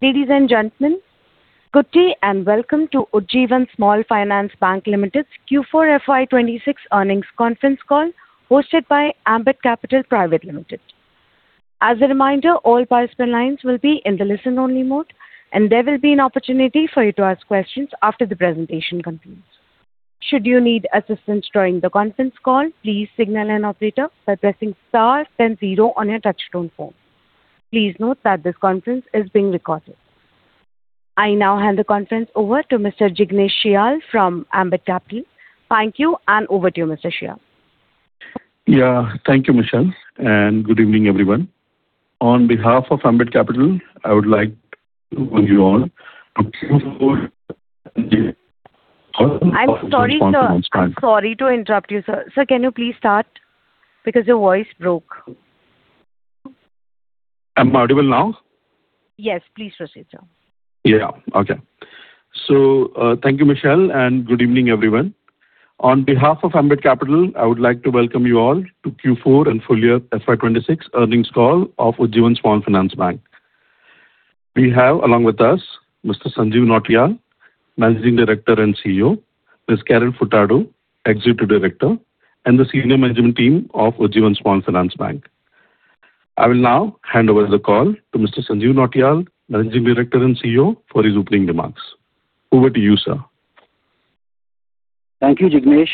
Ladies and gentlemen, good day and welcome to Ujjivan Small Finance Bank Limited's Q4 financial year 2026 Earnings Conference Call hosted by Ambit Capital Private Limited. As a reminder, all participant lines will be in the listen-only mode, and there will be an opportunity for you to ask questions after the presentation concludes. Should you need assistance during the conference call, please signal an operator by pressing star then zero on your touchtone phone. Please note that this conference is being recorded. I now hand the conference over to Mr. Jignesh Shial from Ambit Capital. Thank you, and over to you, Mr. Shial. Yeah. Thank you, Michelle, and good evening, everyone. On behalf of Ambit Capital, I would like to welcome you all to Q4. I'm sorry, sir. I'm sorry to interrupt you, sir. Sir, can you please start because your voice broke. Am I audible now? Yes, please proceed, sir. Okay. Thank you, Michelle, and good evening, everyone. On behalf of Ambit Capital, I would like to welcome you all to Q4 and full year FY 2026 earnings call of Ujjivan Small Finance Bank. We have along with us Mr. Sanjeev Nautiyal, Managing Director and CEO, Ms. Carol Furtado, Executive Director, and the senior management team of Ujjivan Small Finance Bank. I will now hand over the call to Mr. Sanjeev Nautiyal, Managing Director and CEO, for his opening remarks. Over to you, sir. Thank you, Jignesh.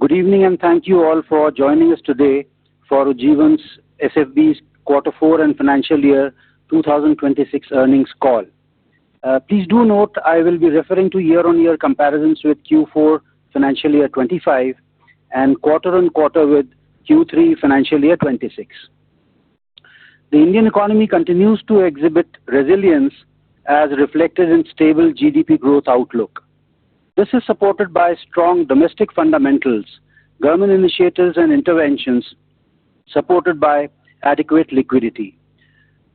Good evening and thank you all for joining us today for Ujjivan SFB's quarter four and financial year 2026 earnings call. Please do note I will be referring to year-on-year comparisons with Q4 financial year 2025 and quarter-on-quarter with Q3 financial year 2026. The Indian economy continues to exhibit resilience as reflected in stable GDP growth outlook. This is supported by strong domestic fundamentals, government initiatives and interventions supported by adequate liquidity.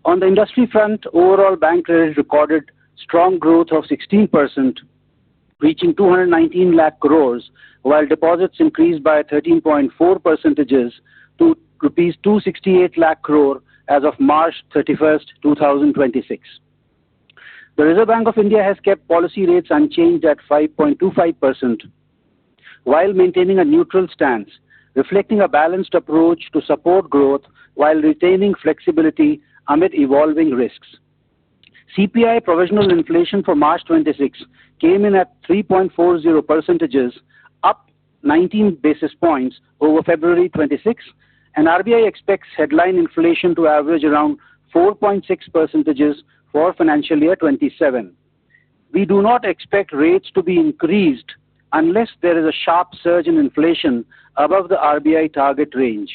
On the industry front, overall bank credit recorded strong growth of 16%, reaching 219 lakh crore, while deposits increased by 13.4% to rupees 268 lakh crore as of March 31st, 2026. The Reserve Bank of India has kept policy rates unchanged at 5.25% while maintaining a neutral stance, reflecting a balanced approach to support growth while retaining flexibility amid evolving risks. CPI provisional inflation for March 2026 came in at 3.40%, up 19 basis points over February 2026. RBI expects headline inflation to average around 4.6% for financial year 2027. We do not expect rates to be increased unless there is a sharp surge in inflation above the RBI target range.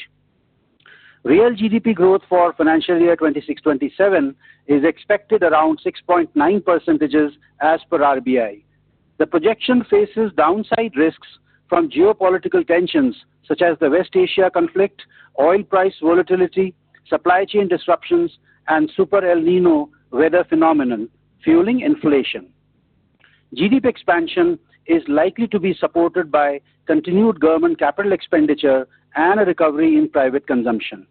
Real GDP growth for financial year 2026/2027 is expected around 6.9% as per RBI. The projection faces downside risks from geopolitical tensions such as the West Asia conflict, oil price volatility, supply chain disruptions, and Super El Niño weather phenomenon, fueling inflation. GDP expansion is likely to be supported by continued government capital expenditure and a recovery in private consumption.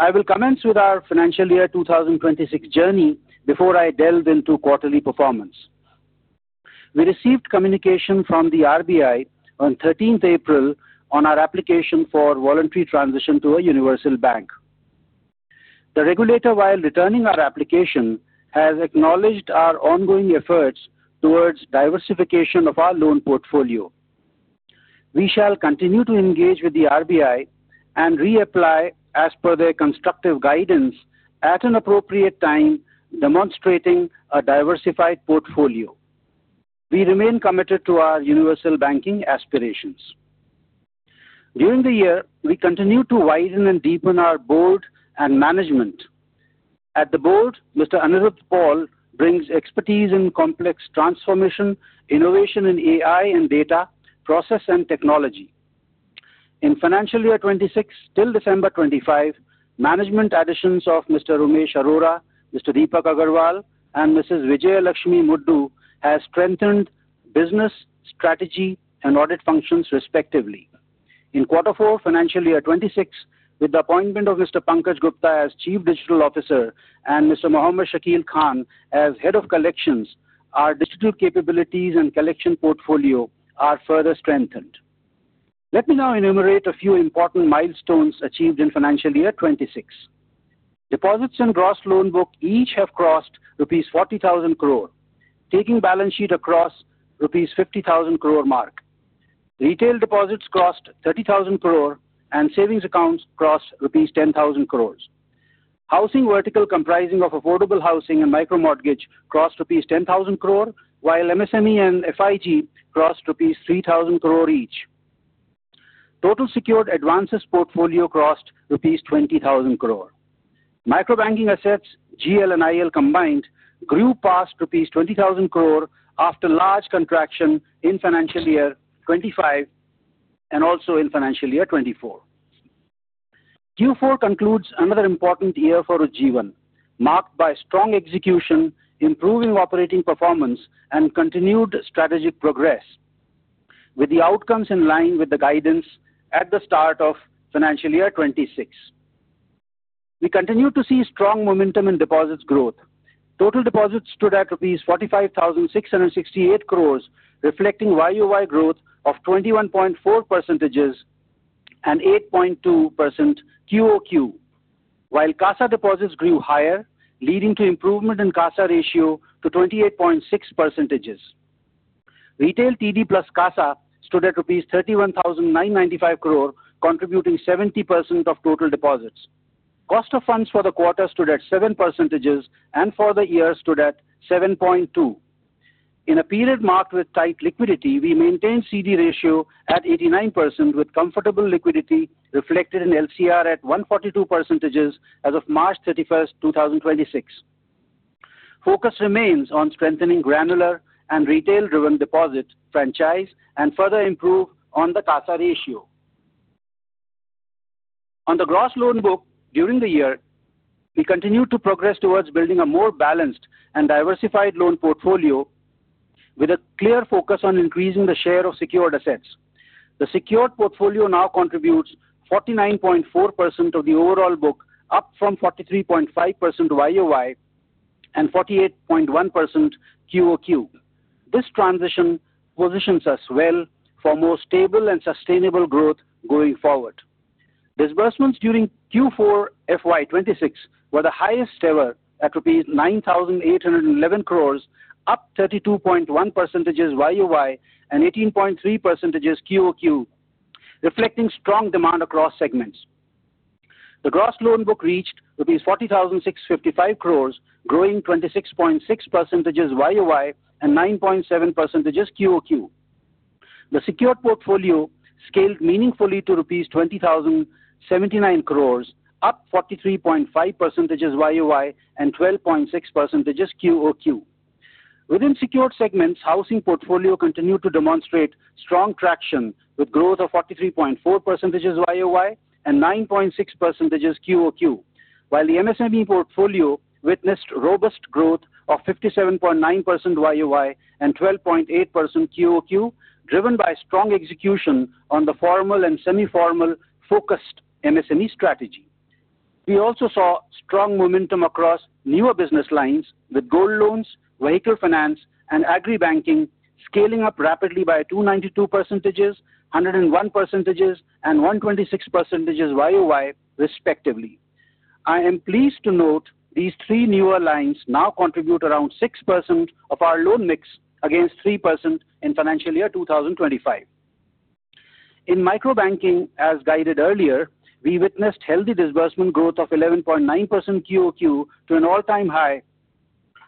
I will commence with our financial year 2026 journey before I delve into quarterly performance. We received communication from the RBI on 13th April on our application for voluntary transition to a universal bank. The regulator, while returning our application, has acknowledged our ongoing efforts towards diversification of our loan portfolio. We shall continue to engage with the RBI and reapply as per their constructive guidance at an appropriate time, demonstrating a diversified portfolio. We remain committed to our universal banking aspirations. During the year, we continued to widen and deepen our board and management. At the board, Mr. Aniruddha Paul brings expertise in complex transformation, innovation in AI and data, process and technology. In financial year 2026 till December 2025, management additions of Mr. Umesh Arora, Mr. Deepak Agarwal, and Mrs. Vijayalakshmi Muddu has strengthened business, strategy, and audit functions respectively. In quarter four financial year 2026, with the appointment of Mr. Pankaj Gupta as Chief Digital Officer and Mr. Mohd Shakil Khan as Head of Collections, our digital capabilities and collection portfolio are further strengthened. Let me now enumerate a few important milestones achieved in financial year 2026. Deposits and gross loan book each have crossed rupees 40,000 crore, taking balance sheet across rupees 50,000 crore mark. Retail deposits crossed 30,000 crore and savings accounts crossed rupees 10,000 crores. Housing vertical comprising of affordable housing and micro mortgage crossed rupees 10,000 crore, while MSME and FIG crossed rupees 3,000 crore each. Total secured advances portfolio crossed rupees 20,000 crore. Microbanking assets, GL and IL combined, grew past rupees 20,000 crore after large contraction in financial year 2025 and also in financial year 2024. Q4 concludes another important year for Ujjivan, marked by strong execution, improving operating performance, and continued strategic progress. With the outcomes in line with the guidance at the start of financial year 2026. We continue to see strong momentum in deposits growth. Total deposits stood at rupees 45,668 crore, reflecting YoY growth of 21.4% and 8.2% QoQ. While CASA deposits grew higher, leading to improvement in CASA ratio to 28.6%. Retail TD plus CASA stood at 31,995 crore rupees, contributing 70% of total deposits. Cost of funds for the quarter stood at 7%, and for the year stood at 7.2%. In a period marked with tight liquidity, we maintained CD ratio at 89% with comfortable liquidity reflected in LCR at 142% as of March 31st, 2026. Focus remains on strengthening granular and retail-driven deposit franchise and further improve on the CASA ratio. On the gross loan book during the year, we continued to progress towards building a more balanced and diversified loan portfolio with a clear focus on increasing the share of secured assets. The secured portfolio now contributes 49.4% of the overall book, up from 43.5% YoY and 48.1% QoQ. This transition positions us well for more stable and sustainable growth going forward. Disbursement during Q4 FY 2026 were the highest ever at rupees 9,811 crores, up 32.1% YoY and 18.3% QoQ, reflecting strong demand across segments. The gross loan book reached rupees 40,655 crores, growing 26.6% YoY and 9.7% QoQ. The secured portfolio scaled meaningfully to rupees 20,079 crores, up 43.5% YoY and 12.6% QoQ. Within secured segments, housing portfolio continued to demonstrate strong traction with growth of 43.4% YoY and 9.6% QoQ. While the MSME portfolio witnessed robust growth of 57.9% YoY and 12.8% QoQ, driven by strong execution on the formal and semi-formal focused MSME strategy. We also saw strong momentum across newer business lines with gold loans, vehicle finance, and agri banking scaling up rapidly by 292%, 101%, and 126% YoY, respectively. I am pleased to note these three newer lines now contribute around 6% of our loan mix against 3% in financial year 2025. In micro banking, as guided earlier, we witnessed healthy disbursement growth of 11.9% QoQ to an all-time high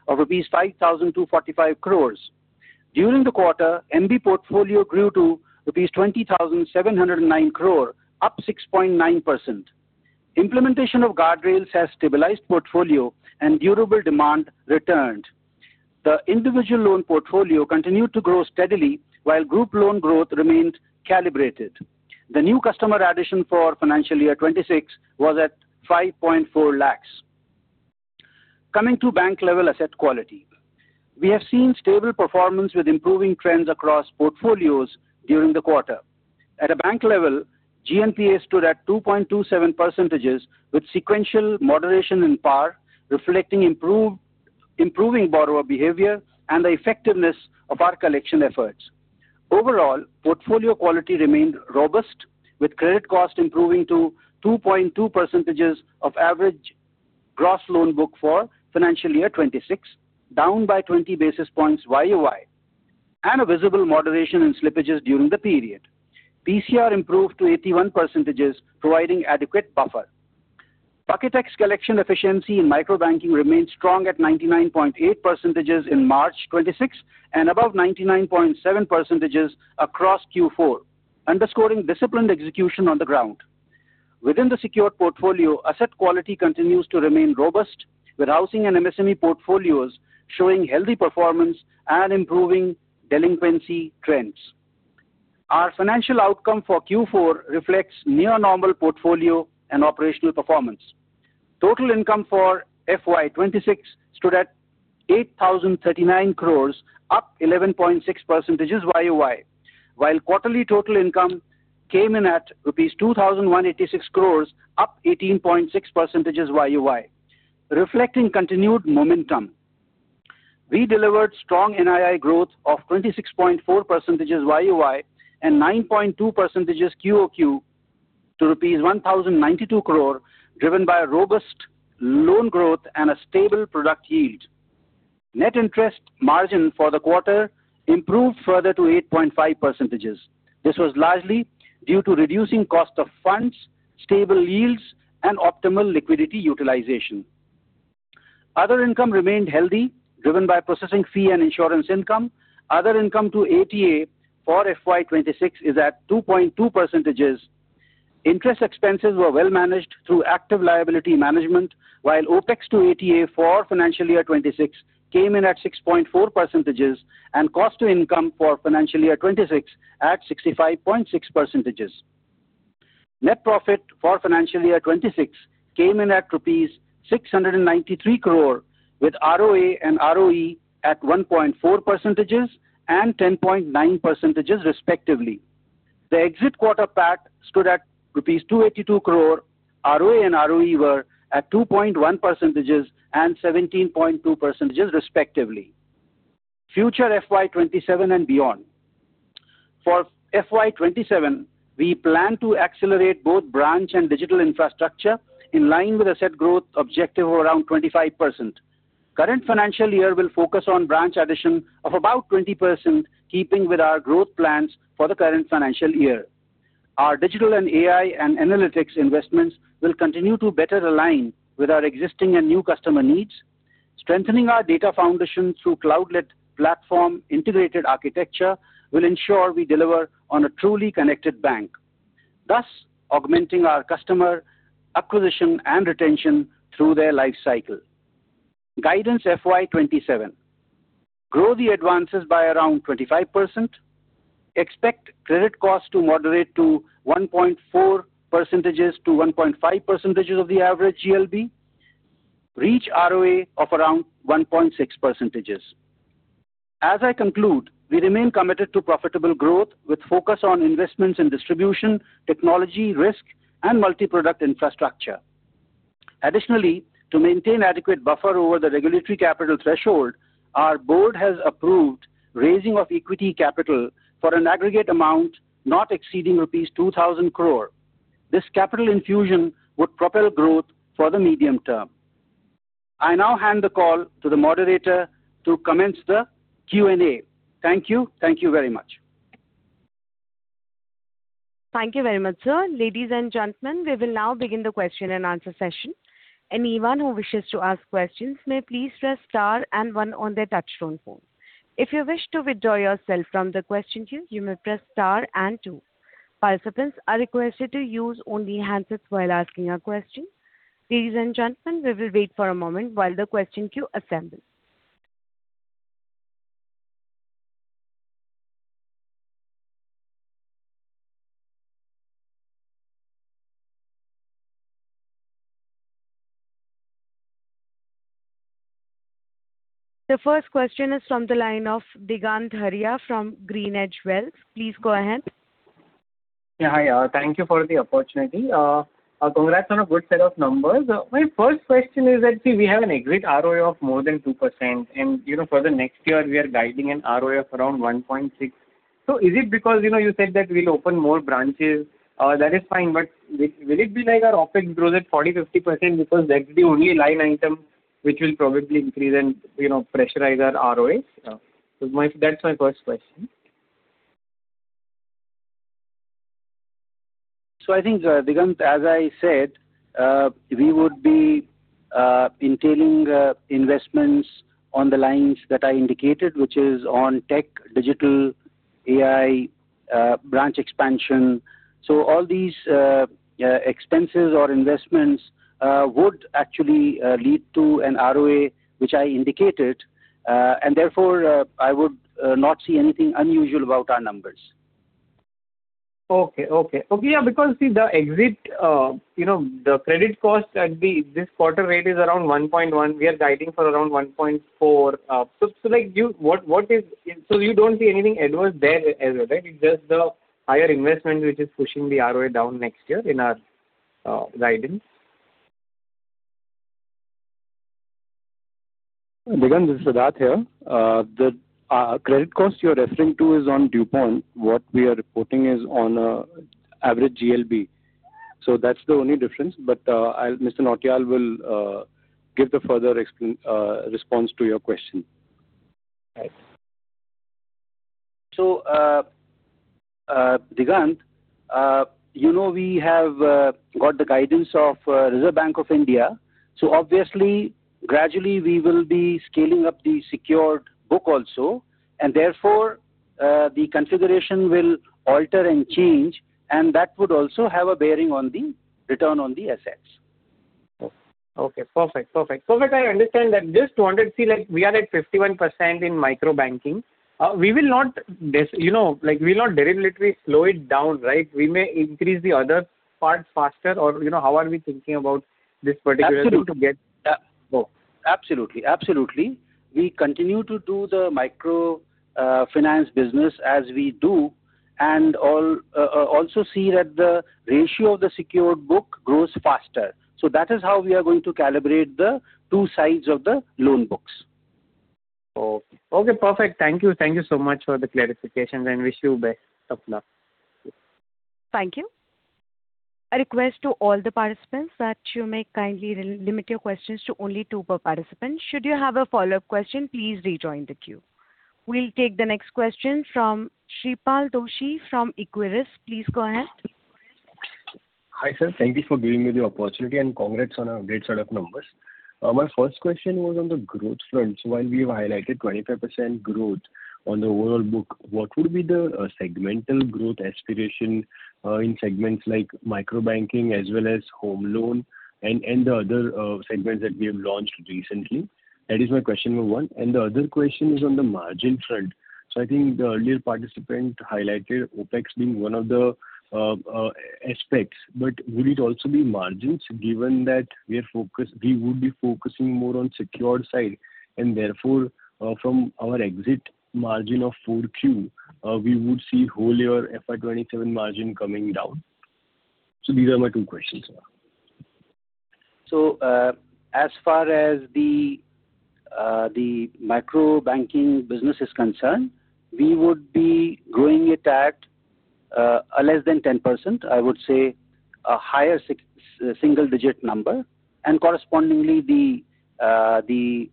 of INR 5,245 crore. During the quarter, MB portfolio grew to INR 20,709 crore, up 6.9%. Implementation of guardrails has stabilized portfolio and durable demand returned. The individual loan portfolio continued to grow steadily while group loan growth remained calibrated. The new customer addition for financial year 2026 was at 5.4 lakhs. Coming to bank-level asset quality. We have seen stable performance with improving trends across portfolios during the quarter. At a bank level, GNPA stood at 2.27% with sequential moderation in PAR, reflecting improving borrower behavior and the effectiveness of our collection efforts. Overall, portfolio quality remained robust with credit cost improving to 2.2% of average gross loan book for financial year 2026, down by 20 basis points YoY, and a visible moderation in slippages during the period. PCR improved to 81%, providing adequate buffer. Bucket X collection efficiency in micro banking remained strong at 99.8% in March 2026 and above 99.7% across Q4, underscoring disciplined execution on the ground. Within the secured portfolio, asset quality continues to remain robust with housing and MSME portfolios showing healthy performance and improving delinquency trends. Our financial outcome for Q4 reflects near normal portfolio and operational performance. Total income for FY 2026 stood at 8,039 crore, up 11.6% YoY. While quarterly total income came in at rupees 2,186 crore, up 18.6% YoY, reflecting continued momentum. We delivered strong NII growth of 26.4% YoY and 9.2% QoQ to rupees 1,092 crore, driven by robust loan growth and a stable product yield. Net interest margin for the quarter improved further to 8.5%. This was largely due to reducing cost of funds, stable yields, and optimal liquidity utilization. Other income remained healthy, driven by processing fee and insurance income. Other income to ATA for FY 2026 is at 2.2%. Interest expenses were well managed through active liability management, while OpEx to ATA for financial year 2026 came in at 6.4% and cost to income for financial year 2026 at 65.6%. Net profit for financial year 2026 came in at rupees 693 crore with ROA and ROE at 1.4% and 10.9% respectively. The exit quarter PAT stood at rupees 282 crore. ROA and ROE were at 2.1% and 17.2% respectively. Future FY 2027 and beyond. For FY 2027, we plan to accelerate both branch and digital infrastructure in line with the set growth objective of around 25%. Current financial year will focus on branch addition of about 20%, keeping with our growth plans for the current financial year. Our digital and AI and analytics investments will continue to better align with our existing and new customer needs. Strengthening our data foundation through cloud-led platform integrated architecture will ensure we deliver on a truly connected bank, thus augmenting our customer acquisition and retention through their life cycle. Guidance FY 2027. Grow the advances by around 25%. Expect credit cost to moderate to 1.4%-1.5% of the average GLB. Reach ROA of around 1.6%. As I conclude, we remain committed to profitable growth with focus on investments in distribution, technology, risk and multi-product infrastructure. Additionally, to maintain adequate buffer over the regulatory capital threshold, our board has approved raising of equity capital for an aggregate amount not exceeding rupees 2,000 crore. This capital infusion would propel growth for the medium term. I now hand the call to the moderator to commence the Q&A. Thank you. Thank you very much. Thank you very much, sir. Ladies and gentlemen, we will now begin the question-and-answer session. Anyone who wishes to ask questions may please press star and one on their touchtone phone. If you wish to withdraw yourself from the question queue, you may press star and two. Participants are requested to use only handsets while asking a question. Ladies and gentlemen, we will wait for a moment while the question queue assembles. The first question is from the line of Digant Haria from GreenEdge Wealth Services. Please go ahead. Hi. Thank you for the opportunity. Congrats on a good set of numbers. My first question is that, see, we have an exit ROA of more than 2% and, you know, for the next year we are guiding an ROA of around 1.6%. Is it because, you know, you said that we'll open more branches? That is fine, but will it be like our OpEx grows at 40%-50% because that's the only line item which will probably increase and, you know, pressurize our ROAs? That's my first question. I think, Digant, as I said, we would be entailing investments on the lines that I indicated, which is on tech, digital, AI, branch expansion. All these expenses or investments would actually lead to an ROA, which I indicated. Therefore, I would not see anything unusual about our numbers. Okay. Okay. Okay, yeah, because see, you know, the credit cost at the this quarter rate is around 1.1. We are guiding for around 1.4. Like, you don't see anything adverse there as well, right? It's just the higher investment which is pushing the ROA down next year in our guidance. Digant, this is Siddhartha here. The credit cost you're referring to is on DuPont. What we are reporting is on average GLB. That's the only difference. I'll Mr. Nautiyal will give the further response to your question. Right. Digant, you know, we have got the guidance of Reserve Bank of India. Obviously, gradually we will be scaling up the secured book also, and therefore, the configuration will alter and change, and that would also have a bearing on the return on the assets. Okay. Perfect. Perfect. What I understand that this 200, see, like, we are at 51% in micro-banking. We will not You know, like, we'll not derivatively slow it down, right? We may increase the other parts faster or, you know, how are we thinking about this particular-? Absolutely. -to get, Oh. Absolutely. Absolutely. We continue to do the micro finance business as we do and also see that the ratio of the secured book grows faster. That is how we are going to calibrate the two sides of the loan books. Okay. Okay, perfect. Thank you. Thank you so much for the clarifications and wish you best of luck. Thank you. A request to all the participants that you may kindly re-limit your questions to only two per participant. Should you have a follow-up question, please rejoin the queue. We'll take the next question from Shreepal Doshi from Equirus Securities. Please go ahead. Hi, sir. Thank you for giving me the opportunity, and congrats on a great set of numbers. My first question was on the growth front. While we've highlighted 25% growth on the overall book, what would be the segmental growth aspiration in segments like Micro Banking as well as home loan and the other segments that we have launched recently? That is my question number one. The other question is on the margin front. I think the earlier participant highlighted OpEx being one of the aspects, but would it also be margins given that we would be focusing more on secured side and therefore, from our exit margin of 4Q, we would see whole year FY 2027 margin coming down? These are my two questions. As far as the micro-banking business is concerned, we would be growing it at less than 10%. I would say a higher single-digit number. Correspondingly the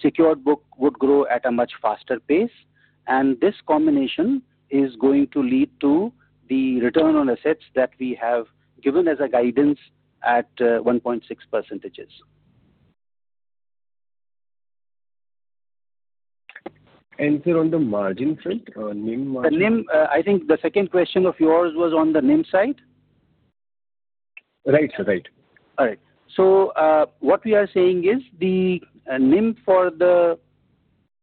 secured book would grow at a much faster pace. This combination is going to lead to the return on assets that we have given as a guidance at 1.6%. Anything on the margin front or NIM margin? The NIM, I think the second question of yours was on the NIM side. Right, sir. Right. All right. What we are saying is the NIM for the,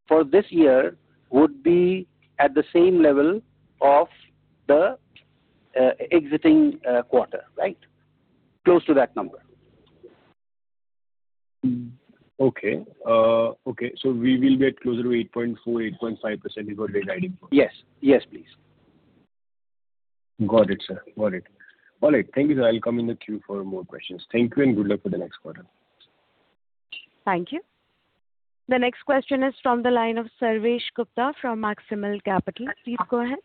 for this year would be at the same level of the exiting quarter, right? Close to that number. We will be at closer to 8.4%, 8.5% is what we are guiding for. Yes. Yes, please. Got it, sir. Got it. All right. Thank you, sir. I'll come in the queue for more questions. Thank you and good luck for the next quarter. Thank you. The next question is from the line of Sarvesh Gupta from Maximal Capital. Please go ahead.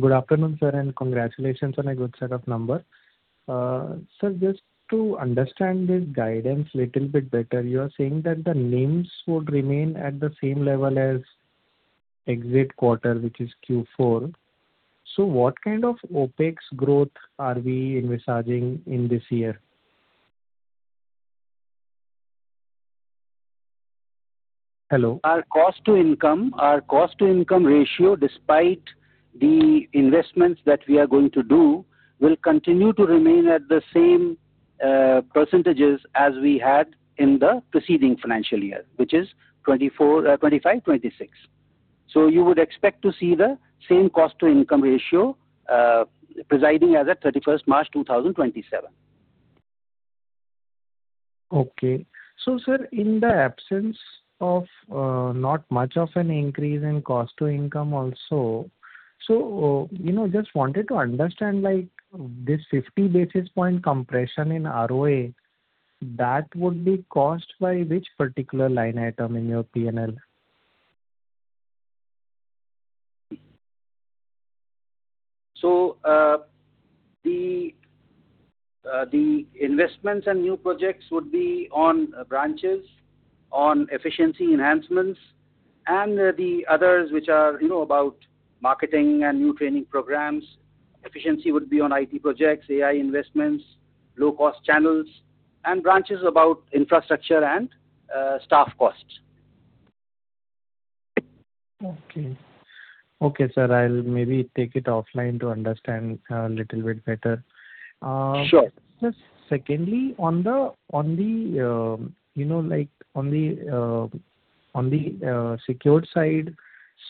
good afternoon, sir, and congratulations on a good set of number. sir, just to understand this guidance little bit better, you are saying that the NIMs would remain at the same level as exit quarter, which is Q4. What kind of OpEx growth are we envisaging in this year? Hello? Our cost to income, our cost to income ratio, despite the investments that we are going to do, will continue to remain at the same percentages as we had in the preceding financial year, which is 2024, 2025, 2026. You would expect to see the same cost to income ratio presiding as at 31st March, 2027. Okay. Sir, in the absence of, not much of an increase in cost to income also, so, you know, just wanted to understand like this 50 basis point compression in ROA, that would be caused by which particular line item in your P&L? The investments and new projects would be on branches, on efficiency enhancements and the others which are, you know, about marketing and new training programs. Efficiency would be on IT projects, AI investments, low-cost channels, and branches about infrastructure and staff costs. Okay. Okay, sir, I'll maybe take it offline to understand a little bit better. Sure. Just secondly, on the, you know, like on the secured side,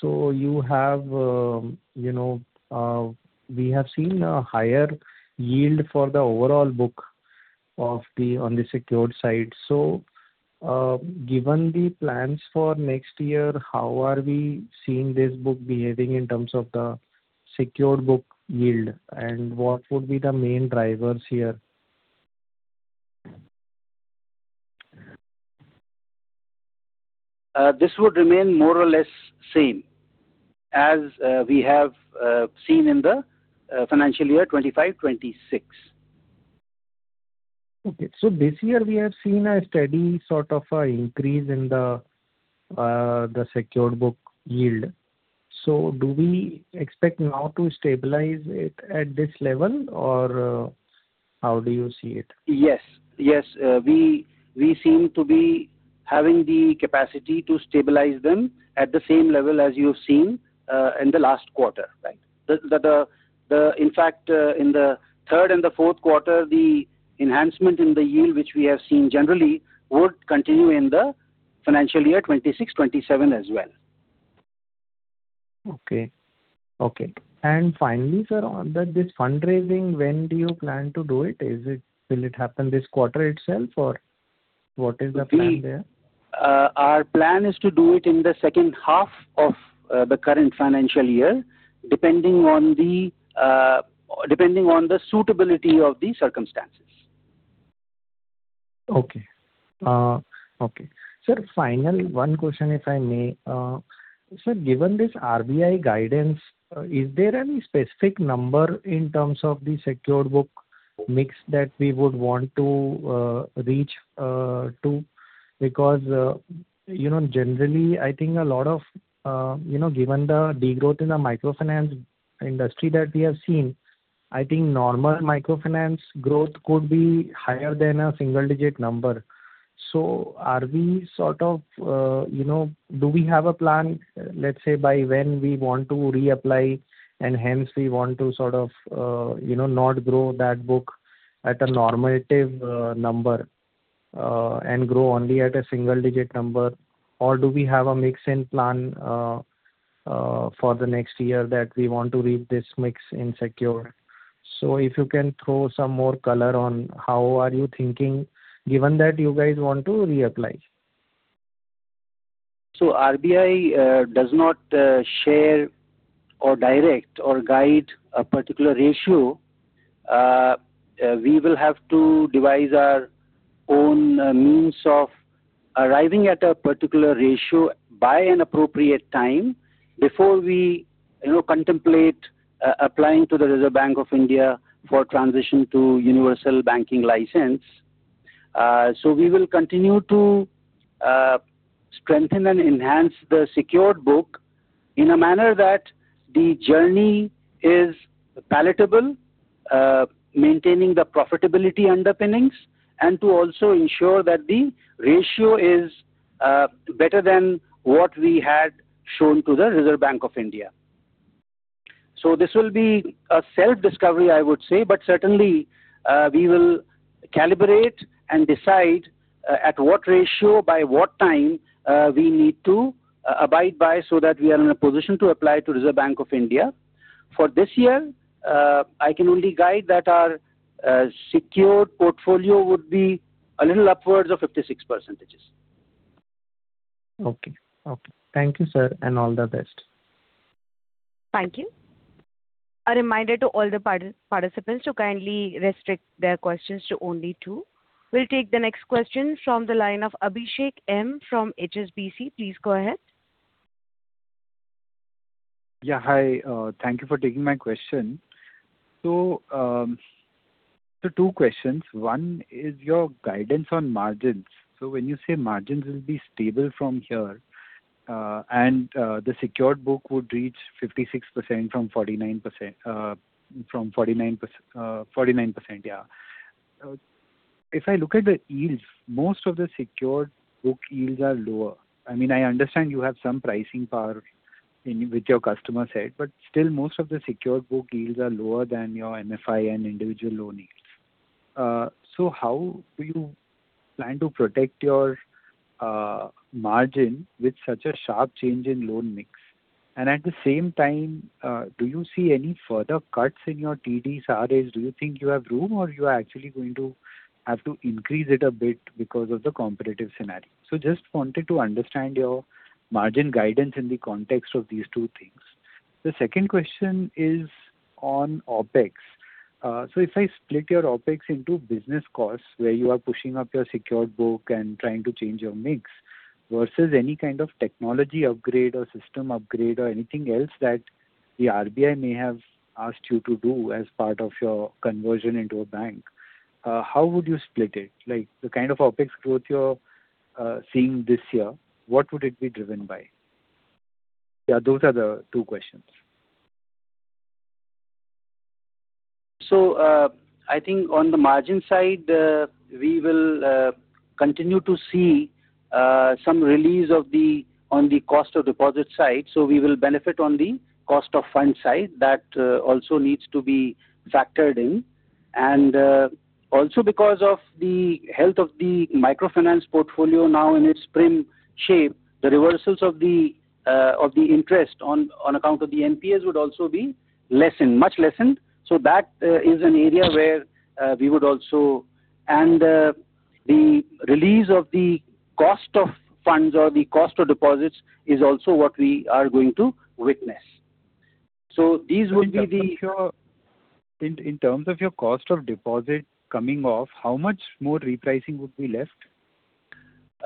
you have, you know, we have seen a higher yield for the overall book of the secured side. Given the plans for next year, how are we seeing this book behaving in terms of the secured book yield, and what would be the main drivers here? This would remain more or less same as we have seen in the financial year 2025, 2026. Okay. This year we have seen a steady sort of a increase in the secured book yield. Do we expect now to stabilize it at this level or, how do you see it? Yes. Yes. We seem to be having the capacity to stabilize them at the same level as you've seen in the last quarter, right? The in fact, in the third and the fourth quarter, the enhancement in the yield, which we have seen generally would continue in the financial year 2026, 2027 as well. Okay. Okay. Finally, sir, on this fundraising, when do you plan to do it? Will it happen this quarter itself or what is the plan there? We, our plan is to do it in the second half of the current financial year, depending on the suitability of the circumstances. Okay. Okay. Sir, final one question, if I may. Sir, given this RBI guidance, is there any specific number in terms of the secured book mix that we would want to reach to? Because, you know, generally, I think a lot of, you know, given the degrowth in the microfinance industry that we have seen, I think normal microfinance growth could be higher than a single-digit number. Are we sort of, you know, do we have a plan, let's say, by when we want to reapply and hence, we want to sort of you know, not grow that book at a normative number, and grow only at a single-digit number? Do we have a mix-in plan for the next year that we want to leave this mix in secure? If you can throw some more color on how are you thinking, given that you guys want to reapply. RBI does not share or direct or guide a particular ratio. We will have to devise our own means of arriving at a particular ratio by an appropriate time before we, you know, contemplate applying to the Reserve Bank of India for transition to universal banking license. We will continue to strengthen and enhance the secured book in a manner that the journey is palatable, maintaining the profitability underpinnings and to also ensure that the ratio is better than what we had shown to the Reserve Bank of India. This will be a self-discovery, I would say. Certainly, we will calibrate and decide at what ratio by what time we need to abide by so that we are in a position to apply to Reserve Bank of India. For this year, I can only guide that our, secured portfolio would be a little upwards of 56%. Okay. Okay. Thank you, sir, and all the best. Thank you. A reminder to all the participants to kindly restrict their questions to only two. We'll take the next question from the line of Abhishek M. from HSBC. Please go ahead. Hi, thank you for taking my question. Two questions. One is your guidance on margins. When you say margins will be stable from here, and the secured book would reach 56% from 49%. If I look at the yields, most of the secured book yields are lower. I mean, I understand you have some pricing power in with your customer side, but still, most of the secured book yields are lower than your MFI and individual loan yields. How do you plan to protect your margin with such a sharp change in loan mix? At the same time, do you see any further cuts in your TDs, RAs? Do you think you have room or you are actually going to have to increase it a bit because of the competitive scenario? Just wanted to understand your margin guidance in the context of these two things. The second question is on OpEx. If I split your OpEx into business costs, where you are pushing up your secured book and trying to change your mix versus any kind of technology upgrade or system upgrade or anything else that the RBI may have asked you to do as part of your conversion into a bank, how would you split it? Like, the kind of OpEx growth you're seeing this year, what would it be driven by? Yeah, those are the two questions. I think on the margin side, we will continue to see some release of the on the cost of deposit side. We will benefit on the cost of fund side. That also needs to be factored in. Also because of the health of the microfinance portfolio now in its prime shape, the reversals of the of the interest on account of the NPAs would also be lessened, much lessened. That is an area where we would also. The release of the cost of funds or the cost of deposits is also what we are going to witness. In terms of your cost of deposit coming off, how much more repricing would be left?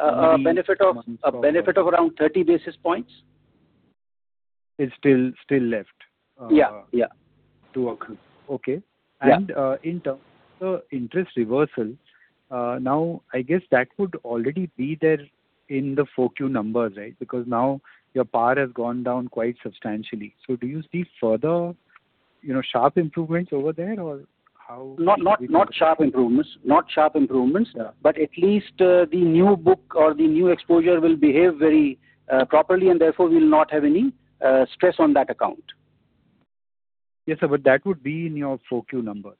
A benefit. In the months to come. a benefit of around 30 basis points. Is still left. Yeah, yeah. to occur. Okay. Yeah. In terms of interest reversal, now I guess that would already be there in the 4Q numbers, right? Because now your PAR has gone down quite substantially. Do you see further, you know, sharp improvements over there? Not sharp improvements. Not sharp improvements. Yeah. At least, the new book or the new exposure will behave very properly and therefore will not have any stress on that account. Yes, sir. That would be in your 4Q numbers.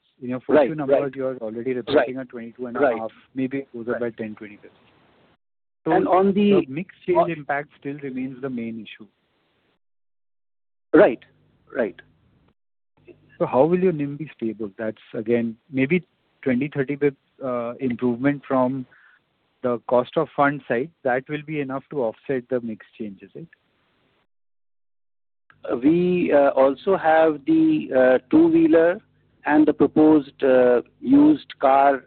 Right. You are already reversing a 22.5. Right. Maybe it goes up by 10 basis points, 20 basis points. And on the- The mix change impact still remains the main issue. Right. Right. How will your NIM be stable? That's again, maybe 20 basis points, 30 basis points improvement from the cost of fund side. That will be enough to offset the mix change, is it? We also have the two-wheeler and the proposed used car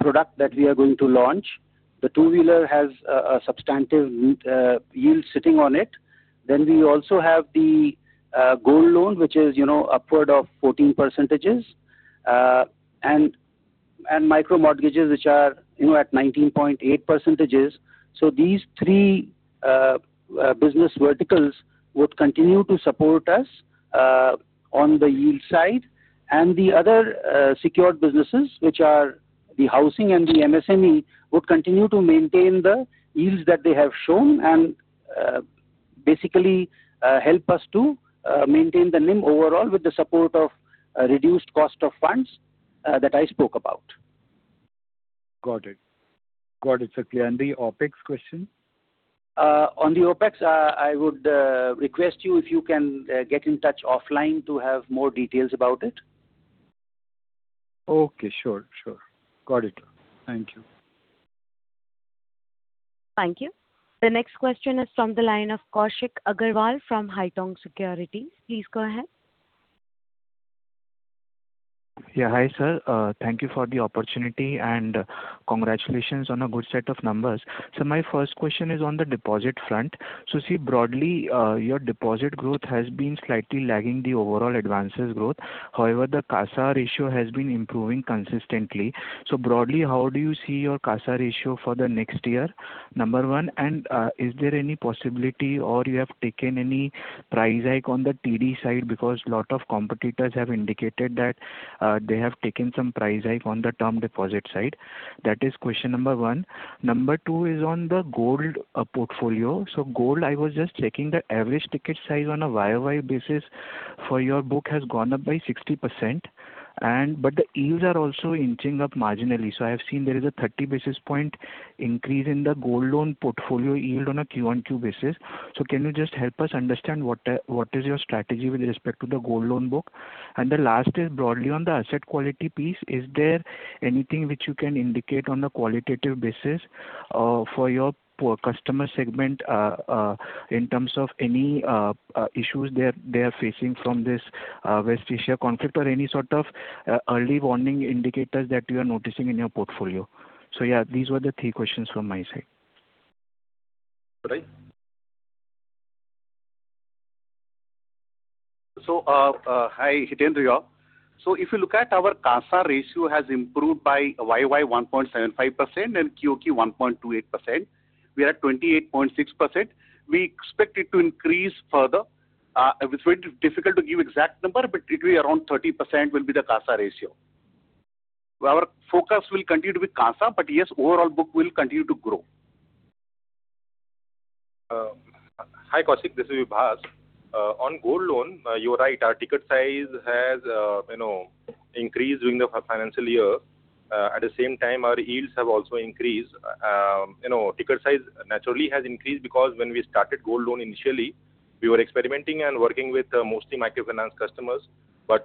product that we are going to launch. The two-wheeler has a substantive yield sitting on it. We also have the gold loan which is, you know, upward of 14%, and micro mortgages which are, you know, at 19.8%. These three business verticals would continue to support us on the yield side. The other secured businesses which are the housing and the MSME would continue to maintain the yields that they have shown and, basically, help us to maintain the NIM overall with the support of reduced cost of funds that I spoke about. Got it. Got it, sir. The OpEx question? On the OpEx, I would request you if you can get in touch offline to have more details about it. Okay, sure. Got it. Thank you. Thank you. The next question is from the line of Kaushik Agarwal from Haitong Securities. Please go ahead. Yeah. Hi, sir. Thank you for the opportunity and congratulations on a good set of numbers. My first question is on the deposit front. Broadly, your deposit growth has been slightly lagging the overall advances growth. However, the CASA ratio has been improving consistently. Broadly, how do you see your CASA ratio for the next year? Number one. Is there any possibility or you have taken any price hike on the TD side? Because a lot of competitors have indicated that they have taken some price hike on the term deposit side. That is question number one. Number two is on the gold portfolio. Gold, I was just checking the average ticket size on a YoY basis for your book has gone up by 60% and the yields are also inching up marginally. I have seen there is a 30 basis point increase in the gold loan portfolio yield on a QoQ basis. Can you just help us understand what is your strategy with respect to the gold loan book? The last is broadly on the asset quality piece. Is there anything which you can indicate on a qualitative basis for your customer segment in terms of any issues they are facing from this West Asia conflict or any sort of early warning indicators that you are noticing in your portfolio? Yeah, these were the three questions from my side. Right. Hi, Hitendra here. If you look at our CASA ratio has improved by YoY 1.75% and QoQ 1.28%. We are at 28.6%. We expect it to increase further. It's very difficult to give exact number, but it'll be around 30% will be the CASA ratio. Our focus will continue to be CASA, yes, overall book will continue to grow. Hi, Kaushik, this is Vibhas. On gold loan, you're right, our ticket size has, you know, increased during the financial year. At the same time, our yields have also increased. You know, ticket size naturally has increased because when we started gold loan initially, we were experimenting and working with, mostly microfinance customers.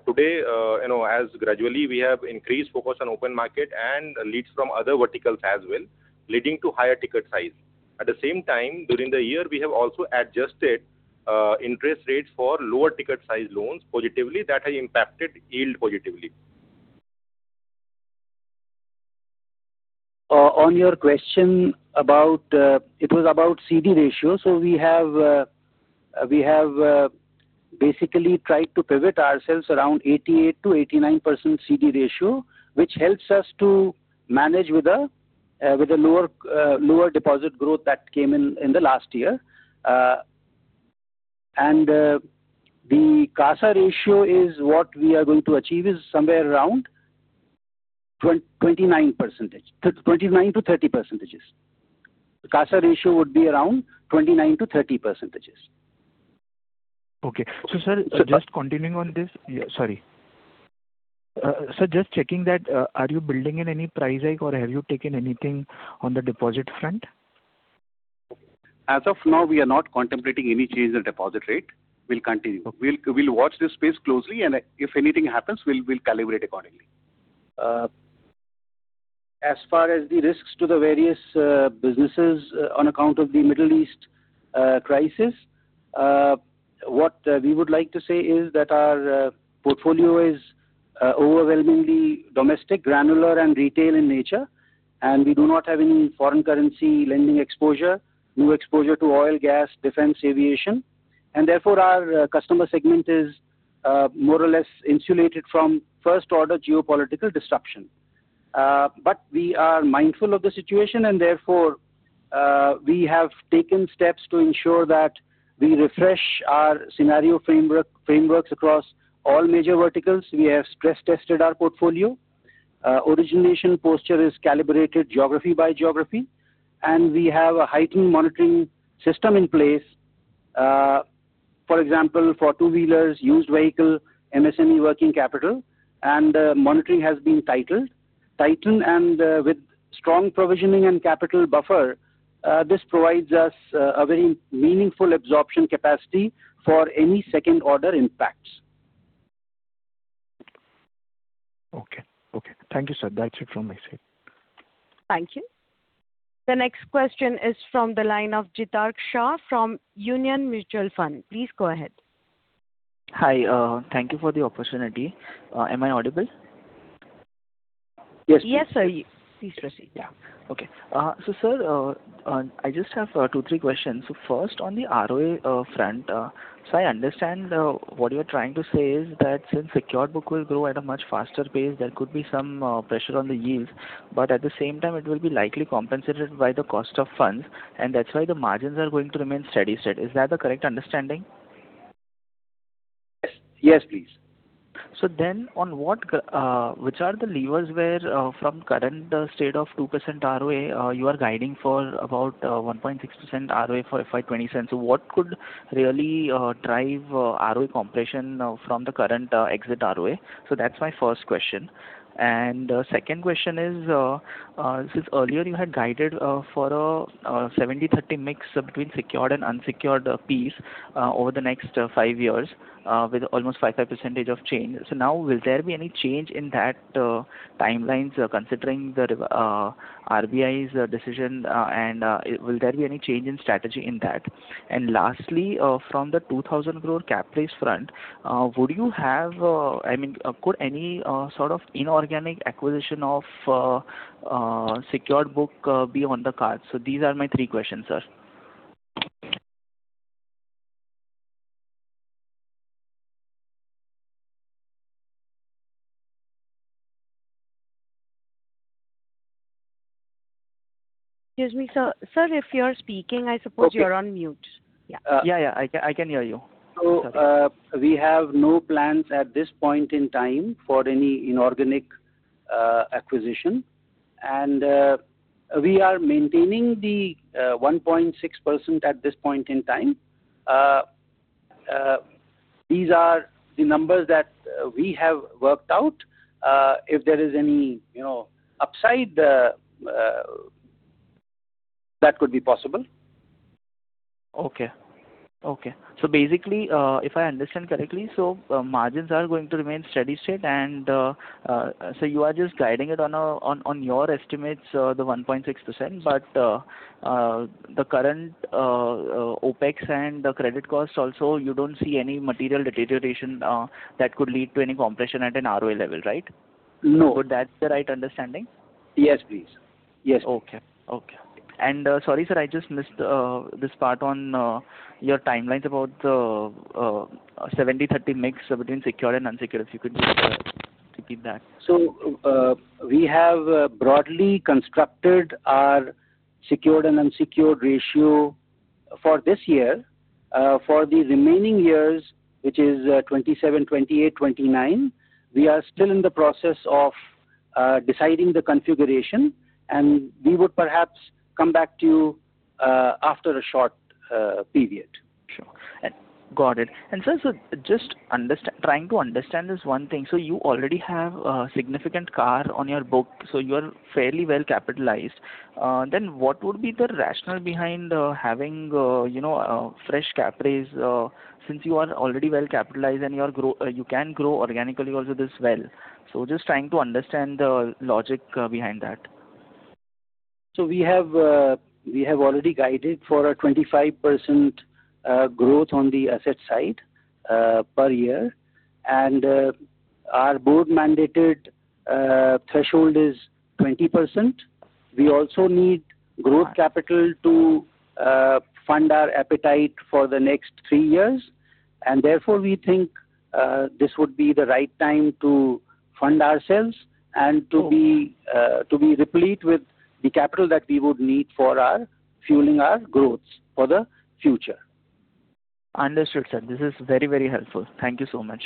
Today, you know, as gradually we have increased focus on open market and leads from other verticals as well, leading to higher ticket size. At the same time, during the year, we have also adjusted interest rates for lower ticket size loans positively that has impacted yield positively. On your question about, it was about CD ratio. We have basically tried to pivot ourselves around 88%-89% CD ratio, which helps us to manage with a lower lower deposit growth that came in the last year. The CASA ratio is what we are going to achieve is somewhere around 29%-30%. The CASA ratio would be around 29%-30%. Okay. Yes. Just continuing on this. Yeah, sorry. Sir, just checking that, are you building in any price hike or have you taken anything on the deposit front? As of now, we are not contemplating any change in deposit rate. We'll continue. We'll watch this space closely and if anything happens, we'll calibrate accordingly. As far as the risks to the various businesses on account of the Middle East crisis, what we would like to say is that our portfolio is overwhelmingly domestic, granular and retail in nature, and we do not have any foreign currency lending exposure, no exposure to oil, gas, defense, aviation, and therefore our customer segment is more or less insulated from first-order geopolitical disruption. We are mindful of the situation, and therefore, we have taken steps to ensure that we refresh our scenario frameworks across all major verticals. We have stress-tested our portfolio. Origination posture is calibrated geography by geography, and we have a heightened monitoring system in place. For example, for two-wheelers, used vehicle, MSME working capital and monitoring has been tightened. With strong provisioning and capital buffer, this provides us a very meaningful absorption capacity for any second-order impacts. Okay. Okay. Thank you, sir. That's it from my side. Thank you. The next question is from the line of Jitark Shah from Union Mutual Fund. Please go ahead. Hi. Thank you for the opportunity. Am I audible? Yes. Yes, sir. Please proceed. Yeah. Okay. Sir, I just have two, three questions. First, on the ROA front. I understand what you're trying to say is that since secured book will grow at a much faster pace, there could be some pressure on the yields, but at the same time, it will be likely compensated by the cost of funds, and that's why the margins are going to remain steady-state. Is that the correct understanding? Yes. Yes, please. On what, which are the levers where, from current state of 2% ROA, you are guiding for about 1.6% ROA for FY 2027. What could really drive ROA compression from the current exit ROA? That's my first question. Second question is, since earlier you had guided for a 70/30 mix between secured and unsecured piece over the next five-years. With almost 5% of change. Will there be any change in that timelines, considering the RBI's decision, and will there be any change in strategy in that? Lastly, from the 2,000 crore cap raise front, would you have, I mean, could any sort of inorganic acquisition of secured book be on the cards? These are my three questions, sir. Excuse me, sir. Sir, if you are speaking, I suppose you're on mute. Yeah. Yeah, yeah, I can hear you. We have no plans at this point in time for any inorganic acquisition. We are maintaining the 1.6% at this point in time. These are the numbers that we have worked out. If there is any, you know, upside, that could be possible. Okay. Okay. Basically, if I understand correctly, so margins are going to remain steady state and so you are just guiding it on your estimates, the 1.6%. The current OPEX and the credit costs also, you don't see any material deterioration that could lead to any compression at an ROE level, right? No. Would that's the right understanding? Yes, please. Yes, please. Okay. Okay. Sorry, sir, I just missed this part on your timelines about 70/30 mix between secured and unsecured. If you could repeat that. We have broadly constructed our secured and unsecured ratio for this year. For the remaining years, which is 2027, 2028, 2029, we are still in the process of deciding the configuration, and we would perhaps come back to you after a short period. Sure. Got it. Sir, just trying to understand this one thing. You already have a significant CAR on your book, so you're fairly well-capitalized. What would be the rationale behind having, you know, fresh cap raise, since you are already well-capitalized and you can grow organically also this well. Just trying to understand the logic behind that. We have already guided for a 25% growth on the asset side per year. Our board-mandated threshold is 20%. We also need growth capital to fund our appetite for the next three-years. Therefore, we think, this would be the right time to fund ourselves and to be replete with the capital that we would need for our fueling our growth for the future. Understood, sir. This is very, very helpful. Thank you so much.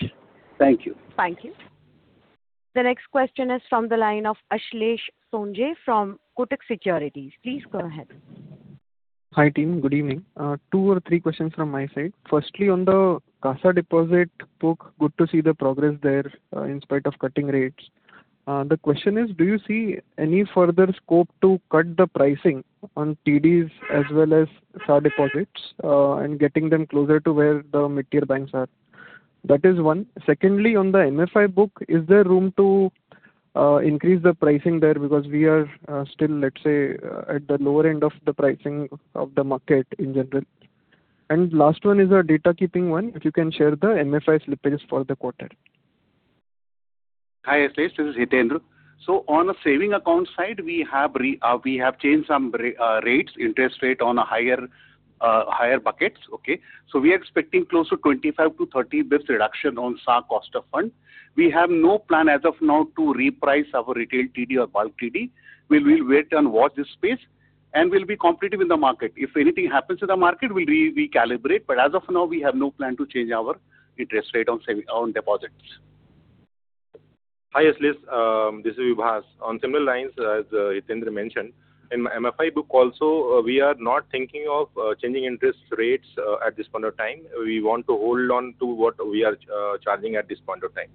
Thank you. Thank you. The next question is from the line of Ashlesh Sonje from Kotak Securities. Please go ahead. Hi, team. Good evening. Two or three questions from my side. Firstly, on the CASA deposit book, good to see the progress there, in spite of cutting rates. The question is, do you see any further scope to cut the pricing on TDs as well as SA deposits, and getting them closer to where the mid-tier banks are? That is one. Secondly, on the MFI book, is there room to increase the pricing there? Because we are still, let's say, at the lower end of the pricing of the market in general. Last one is a data keeping one. If you can share the MFI slippages for the quarter. Hi, Ashlesh. This is Hitendra. On the savings account side, we have changed some rates, interest rate on a higher buckets. Okay. We are expecting close to 25 basis points-30 basis points reduction on SA cost of fund. We have no plan as of now to reprice our retail TD or bulk TD. We will wait and watch this space, and we'll be competitive in the market. If anything happens to the market, we calibrate, but as of now, we have no plan to change our interest rate on savings on deposits. Hi, Ashlesh. This is Vibhas. On similar lines, as Hitendra mentioned, in MFI book also, we are not thinking of changing interest rates at this point of time. We want to hold on to what we are charging at this point of time.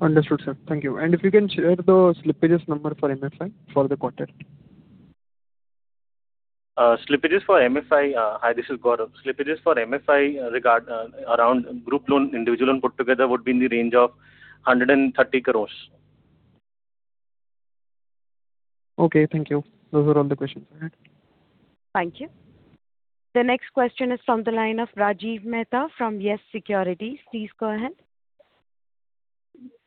Understood, sir. Thank you. If you can share the slippages number for MFI for the quarter. Slippages for MFI. Hi, this is Gaurav. Slippages for MFI regard, around group loan, individual and put together would be in the range of 130 crores. Okay. Thank you. Those are all the questions I had. Thank you. The next question is from the line of Rajeev Mehta from Yes Securities. Please go ahead.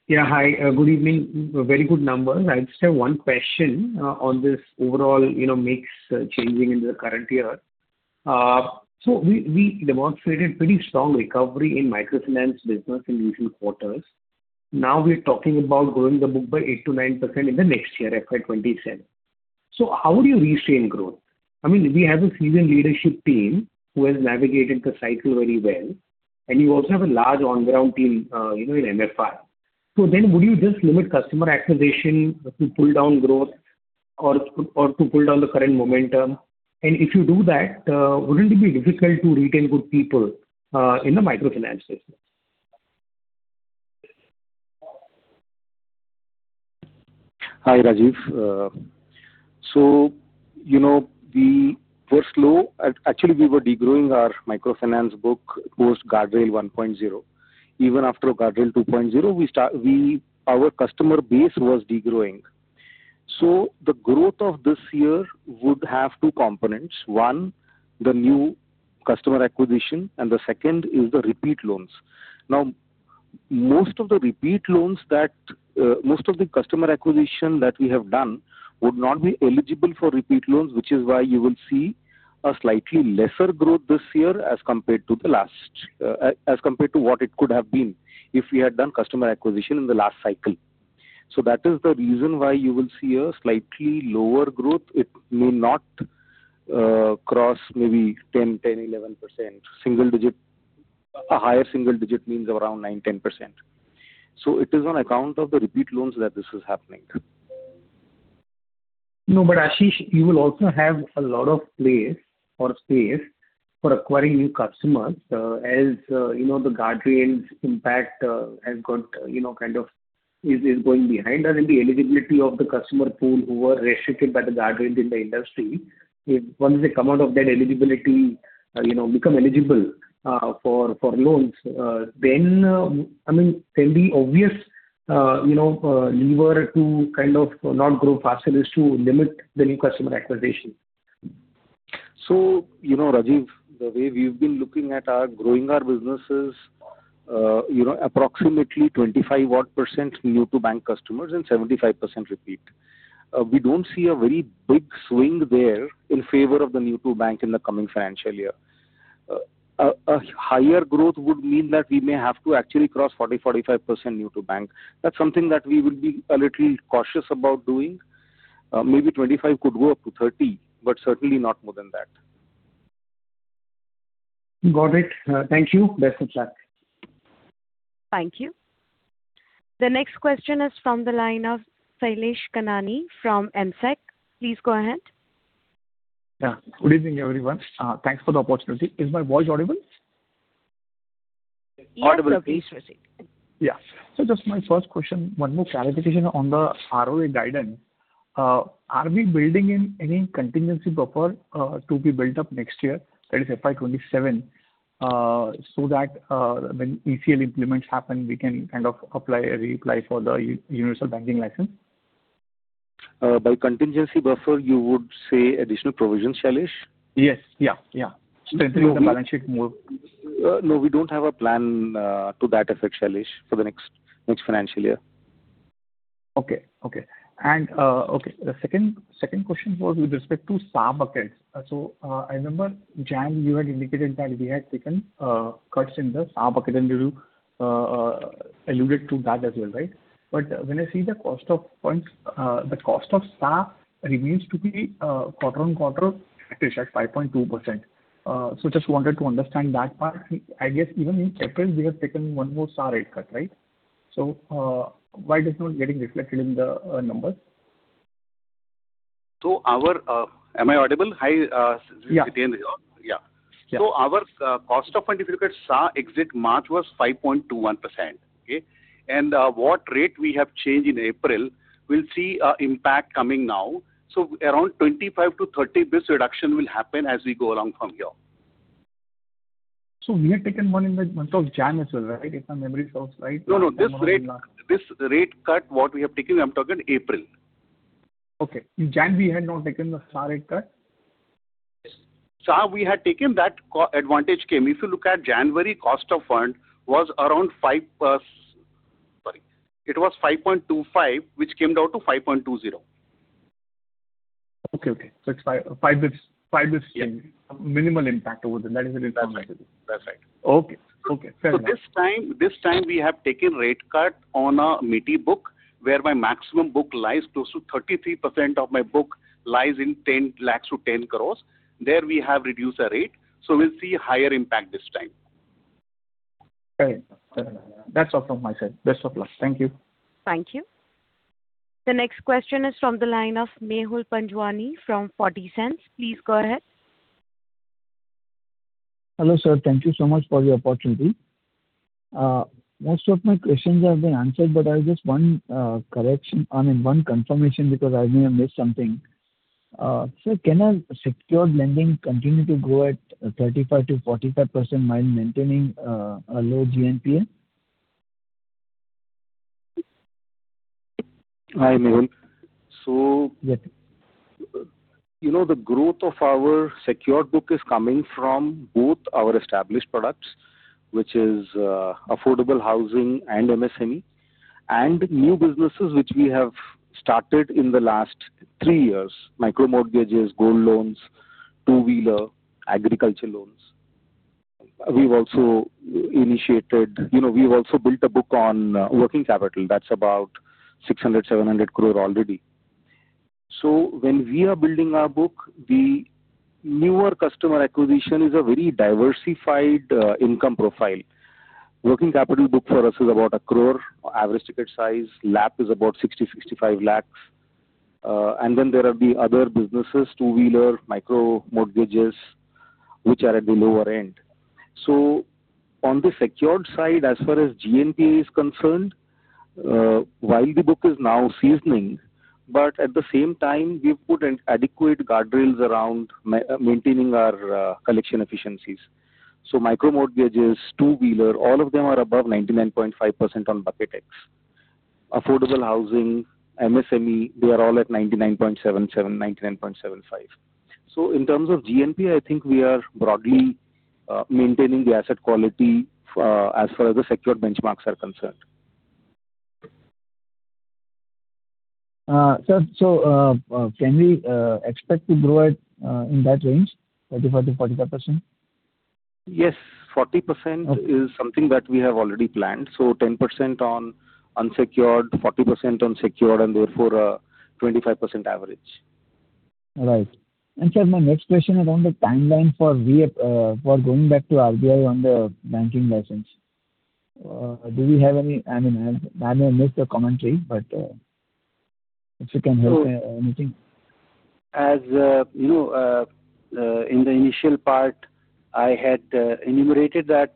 Yeah. Hi. Good evening. Very good numbers. I just have one question on this overall, you know, mix changing in the current year. We demonstrated pretty strong recovery in microfinance business in recent quarters. Now we're talking about growing the book by 8%-9% in the next year, FY 2027. How do you restrain growth? I mean, we have a seasoned leadership team who has navigated the cycle very well, and you also have a large on-ground team, you know, in MFI. Would you just limit customer acquisition to pull down growth or to pull down the current momentum? If you do that, wouldn't it be difficult to retain good people in the microfinance business? Hi, Rajeev. you know, we were slow. Actually, we were de-growing our microfinance book post guardrail 1.0. Even after guardrail 2.0, our customer base was de-growing. The growth of this year would have two components: one, the new customer acquisition, and the second is the repeat loans. Now, most of the repeat loans that, most of the customer acquisition that we have done would not be eligible for repeat loans, which is why you will see a slightly lesser growth this year as compared to the last, as compared to what it could have been if we had done customer acquisition in the last cycle. That is the reason why you will see a slightly lower growth. It may not cross maybe 10-11%, single digit. A higher single digit means around 9%, 10%. It is on account of the repeat loans that this is happening. Ashish, you will also have a lot of place or space for acquiring new customers, as, you know, the guardrails impact has got, you know, kind of is going behind us and the eligibility of the customer pool who were restricted by the guardrails in the industry. Once they come out of that eligibility, you know, become eligible for loans, then, I mean, can the obvious, you know, lever to kind of not grow faster is to limit the new customer acquisition? You know, Rajeev, the way we've been looking at our growing our business is, you know, approximately 25% odd new to bank customers and 75% repeat. We don't see a very big swing there in favor of the new to bank in the coming financial year. A higher growth would mean that we may have to actually cross 40%-45% new to bank. That's something that we would be a little cautious about doing. Maybe 25 basis points could go up to 30 basis points, but certainly not more than that. Got it. Thank you. Best of luck. Thank you. The next question is from the line of Sailesh Kanani from Amsec. Please go ahead. Yeah. Good evening, everyone. Thanks for the opportunity. Is my voice audible? Yes, it is received. Yeah. Just my first question, one more clarification on the ROE guidance. Are we building in any contingency buffer to be built up next year, that is FY 2027, so that when ECL implements happen, we can kind of apply, reapply for the universal banking license? By contingency buffer, you would say additional provisions, Sailesh? Yes. Yeah, yeah. Strengthening the balance sheet more. No, we don't have a plan, to that effect, Sailesh, for the next financial year. Okay. Okay. Okay, the second question was with respect to SA buckets. So, I remember Jan, you had indicated that we had taken cuts in the SA bucket, and you alluded to that as well, right? When I see the cost of funds, the cost of SA remains to be quarter-on-quarter at 5.2%. Just wanted to understand that part. I guess even in April, we have taken one more SA rate cut, right? Why it is not getting reflected in the numbers? Am I audible? Hi, Yeah. Yeah. Our cost of funds, if you look at SA exit March was 5.21%. Okay. What rate we have changed in April, we'll see impact coming now. Around 25 basis points-30 basis reduction will happen as we go along from here. We had taken one in the month of January as well, right? If my memory serves right. No, no. This rate cut, what we have taken, I'm talking April. Okay. In January, we had not taken the SA rate cut? SA, we had taken that co-advantage came. If you look at January cost of fund was around 5%, sorry, it was 5.25%, which came down to 5.20%. Okay, okay. It's 5 basis points. Minimum impact over there. That is what it is. That's right. Okay. Okay. Fair enough. This time, we have taken rate cut on our MEDI book, whereby maximum book lies close to 33% of my book lies in 10 lakhs to 10 crores. There we have reduced our rate; we'll see higher impact this time. Fair enough. Fair enough. That is all from my side. Best of luck. Thank you. Thank you. The next question is from the line of Mehul Panjwani from Forty Cents. Please go ahead. Hello, sir. Thank you so much for the opportunity. Most of my questions have been answered, but I have just one correction. I mean, one confirmation, because I may have missed something. Sir, can secured lending continue to grow at 35%-45% while maintaining a low GNPA? Hi, Mehul. Yes. You know, the growth of our secured book is coming from both our established products, which is affordable housing and MSME, and new businesses which we have started in the last three-years: micro mortgages, gold loans, two-wheeler, agriculture loans. We've also initiated, you know, we've also built a book on working capital. That's about 600 crore, 700 crore already. When we are building our book, the newer customer acquisition is a very diversified income profile. Working capital book for us is about 1 crore. Average ticket size LAP is about 60 lakhs, 65 lakhs. There are the other businesses, two-wheeler, micro mortgages. Which are at the lower end. On the secured side, as far as GNPA is concerned, while the book is now seasoning, but at the same time, we've put an adequate guardrails around maintaining our collection efficiencies. Micro mortgage is two-wheeler. All of them are above 99.5% on bucket X. Affordable housing, MSME, they are all at 99.77%, 99.75%. In terms of GNPA, I think we are broadly maintaining the asset quality as far as the secured benchmarks are concerned. Sir, can we expect to grow at in that range, 35%-45%? Yes. 40%- Okay. is something that we have already planned. 10% on unsecured, 40% on secured, and therefore, 25% average. All right. Sir, my next question around the timeline for going back to RBI on the banking license. Do we have any I mean, I may have missed your commentary, if you can help me on anything. As, you know, in the initial part, I had enumerated that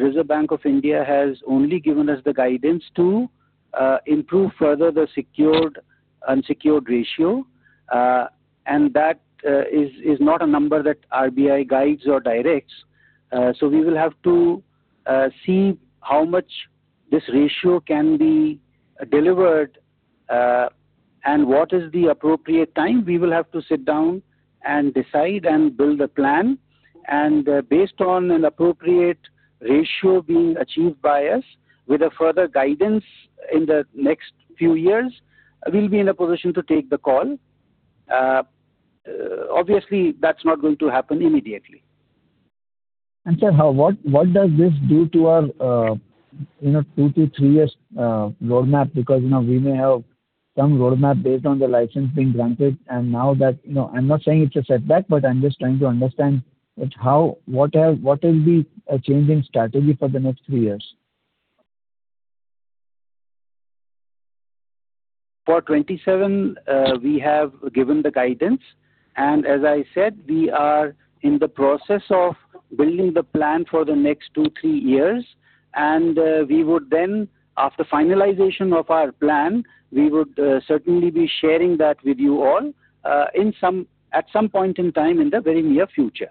Reserve Bank of India has only given us the guidance to improve further the secured-unsecured ratio. That is not a number that RBI guides or directs. We will have to see how much this ratio can be delivered, and what is the appropriate time. We will have to sit down and decide and build a plan. Based on an appropriate ratio being achieved by us with a further guidance in the next few years, we'll be in a position to take the call. Obviously, that's not going to happen immediately. Sir, what does this do to our, you know, two to three-years roadmap? You know, we may have some roadmap based on the license being granted and now that, you know, I'm not saying it's a setback, but I'm just trying to understand that what will be a change in strategy for the next three-years. For 2027, we have given the guidance, and as I said, we are in the process of building the plan for the next two, three-years. After finalization of our plan, we would certainly be sharing that with you all at some point in time in the very near future.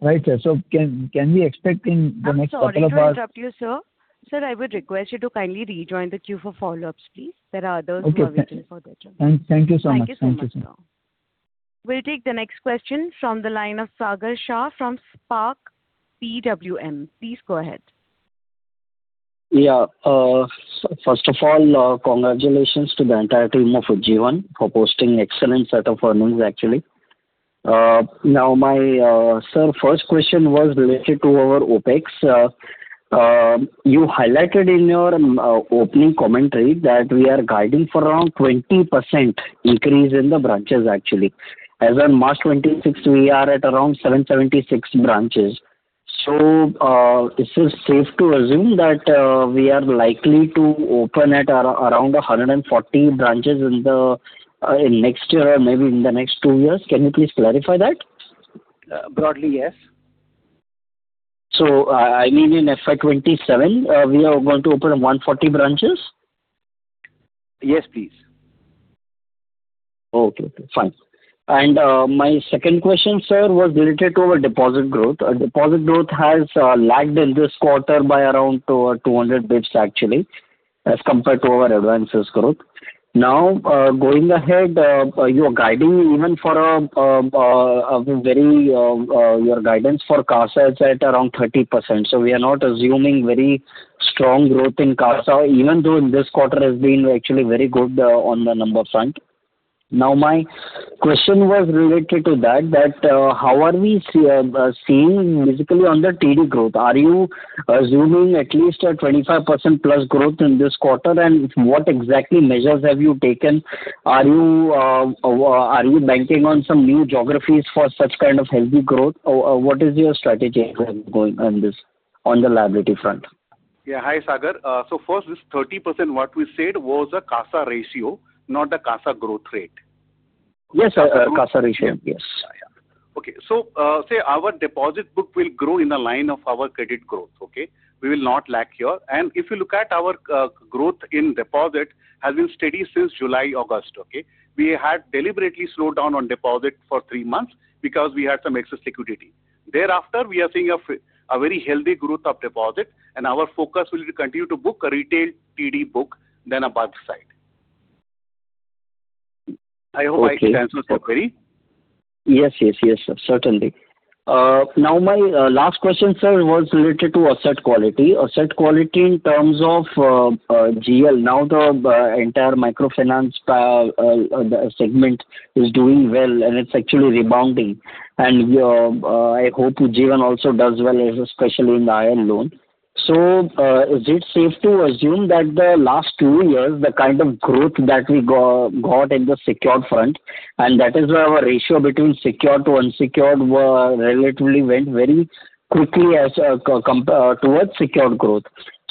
Right, sir. can we expect in the next couple of. I'm sorry to interrupt you, sir. Sir, I would request you to kindly rejoin the queue for follow-ups, please. There are others who are waiting for their turn. Okay. Thank you so much. Thank you so much, sir. We'll take the next question from the line of Sagar Shah from Spark PWM. Please go ahead. First of all, congratulations to the entire team of Ujjivan for posting excellent set of earnings actually. Now my Sir, first question was related to our OpEx. You highlighted in your opening commentary that we are guiding for around 20% increase in the branches actually. As on March 26th, we are at around 776 branches. Is it safe to assume that we are likely to open at around 140 branches in the next year or maybe in the next two-years? Can you please clarify that? Broadly, yes. I mean, in FY 2027, we are going to open 140 branches? Yes, please. Okay. Fine. My second question, sir, was related to our deposit growth. Our deposit growth has lagged in this quarter by around 200 basis points actually as compared to our advance's growth. Going ahead, you are guiding even for a very, your guidance for CASA is at around 30%, so we are not assuming very strong growth in CASA even though this quarter has been actually very good on the number front. My question was related to that. How are we seeing basically on the TD growth? Are you assuming at least a 25%+ growth in this quarter? What exactly measures have you taken? Are you banking on some new geographies for such kind of healthy growth? What is your strategy going on the liability front? Yeah. Hi, Sagar. First, this 30% what we said was a CASA ratio, not the CASA growth rate. Yes. CASA ratio. Yes. Yeah, yeah. Okay. Say our deposit book will grow in the line of our credit growth. Okay? We will not lack here. If you look at our growth in deposit has been steady since July, August. Okay? We had deliberately slowed down on deposit for three-months because we had some excess liquidity. Thereafter, we are seeing a very healthy growth of deposit, and our focus will continue to book a retail TD book than a bulk side. Okay. I hope I answered your query. Yes, sir. Certainly. Now my last question, sir, was related to asset quality. Asset quality in terms of GL. The entire microfinance segment is doing well and it's actually rebounding. I hope Ujjivan also does well, especially in the IL loan. Is it safe to assume that the last two-years, the kind of growth that we got in the secured front, and that is why our ratio between secured to unsecured relatively went very quickly as towards secured growth.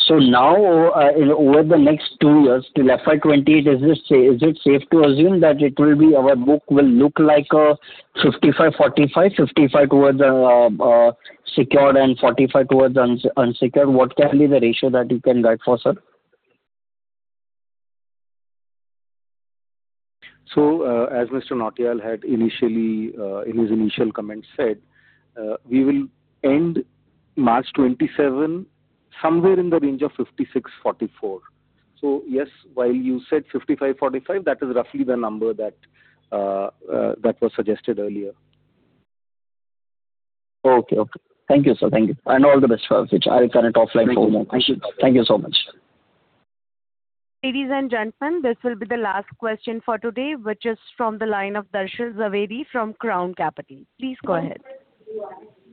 Now, over the next two-years till FY 2020, is it safe to assume that it will be our book will look like 55%, 45%, 55% towards secured and 45% towards unsecured? What can be the ratio that you can guide for, sir? As Mr. Nautiyal had initially, in his initial comments said, we will end March 2027 somewhere in the range of 56%, 44%. Yes, while you said 55%, 45%, that is roughly the number that was suggested earlier. Okay. Okay. Thank you, sir. Thank you. All the best for which I'll connect offline for more questions. Thank you. Thank you so much. Ladies and gentlemen, this will be the last question for today, which is from the line of Darshan Jhaveri from Crown Capital. Please go ahead.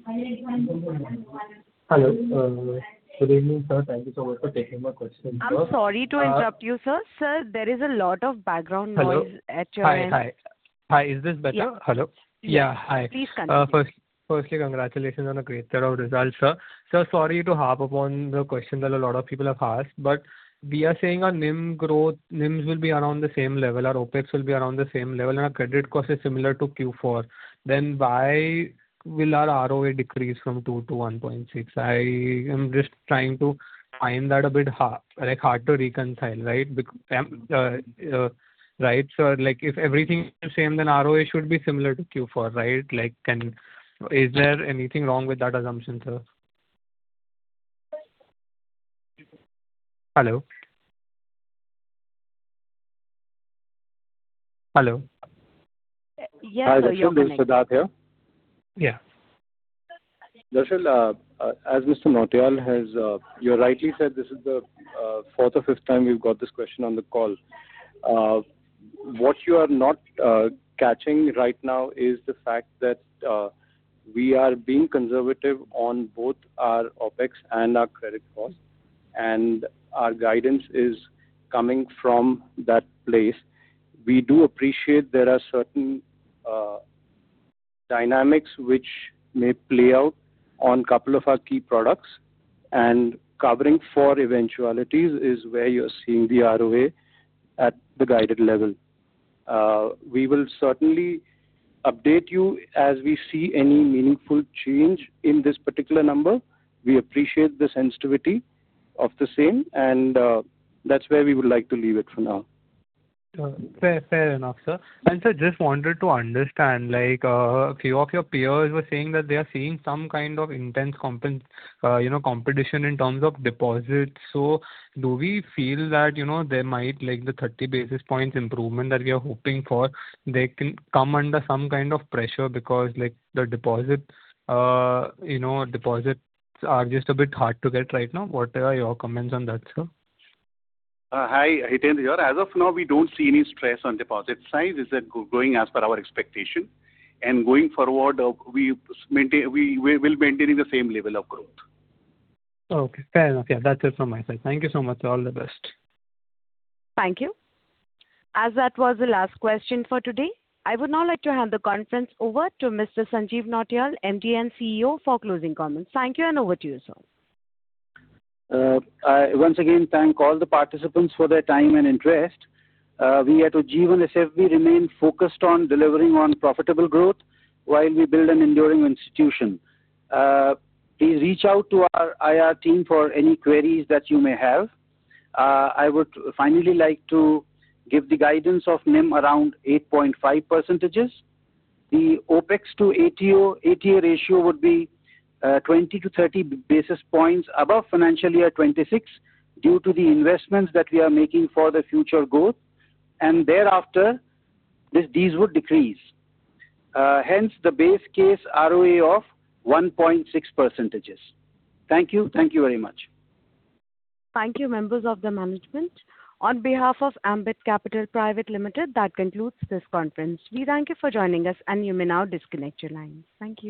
Hello. Good evening, sir. Thank you so much for taking my question, sir. I'm sorry to interrupt you, sir. Sir, there is a lot of background noise- Hello. at your end. Hi. Hi. Hi. Is this better? Yeah. Hello? Yeah. Hi. Please continue. Firstly, congratulations on a great set of results, sir. Sir, sorry to harp upon the question that a lot of people have asked. We are saying our NIM growth, NIMs will be around the same level, our OpEx will be around the same level, and our credit cost is similar to Q4. Why will our ROE decrease from 2%-1.6%? I am just trying to find that a bit hard to reconcile, right? Right? Like, if everything is the same, then ROE should be similar to Q4, right? Is there anything wrong with that assumption, sir? Hello? Hello? Yes. Are you coming in? This is Siddhartha here. Yeah. Darshan, as Mr. Nautiyal has, you rightly said this is the fourth or fifth time we've got this question on the call. What you are not, catching right now is the fact that, we are being conservative on both our OpEx and our credit cost, and our guidance is coming from that place. We do appreciate there are certain dynamics which may play out on couple of our key products, and covering for eventualities is where you're seeing the ROA at the guided level. We will certainly update you as we see any meaningful change in this particular number. We appreciate the sensitivity of the same, and that's where we would like to leave it for now. Fair enough, sir. Sir, just wanted to understand, like, a few of your peers were saying that they are seeing some kind of intense competition in terms of deposits. Do we feel that there might, like the 30 basis points improvement that we are hoping for, they can come under some kind of pressure because, like, the deposits are just a bit hard to get right now. What are your comments on that, sir? Hi. Hitendra here. As of now, we don't see any stress on deposit size. It's going as per our expectation. Going forward, we will maintain the same level of growth. Okay. Fair enough. Yeah. That's it from my side. Thank you so much. All the best. Thank you. As that was the last question for today, I would now like to hand the conference over to Mr. Sanjeev Nautiyal, MD and CEO, for closing comments. Thank you and over to you, sir. I once again thank all the participants for their time and interest. We at Ujjivan SFB remain focused on delivering on profitable growth while we build an enduring institution. Please reach out to our IR team for any queries that you may have. I would finally like to give the guidance of NIM around 8.5%. The OpEx to ATA ratio would be 20 basis points-30 basis points above financial year 2026 due to the investments that we are making for the future growth, and thereafter these would decrease. Hence the base case ROE of 1.6%. Thank you. Thank you very much. Thank you, members of the management. On behalf of Ambit Capital Private Limited, that concludes this conference. We thank you for joining us, and you may now disconnect your lines. Thank you.